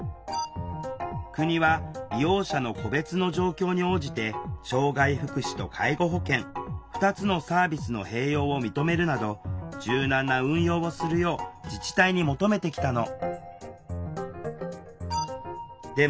国は利用者の個別の状況に応じて障害福祉と介護保険２つのサービスの併用を認めるなど柔軟な運用をするよう自治体に求めてきたの。